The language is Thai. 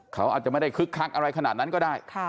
เขาอาจจะไม่ได้คึกคักอะไรขนาดนั้นก็ได้